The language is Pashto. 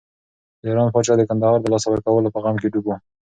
د ایران پاچا د کندهار د لاسه ورکولو په غم کې ډوب و.